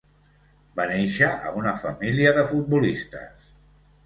Va nàixer a una família de futbolistes.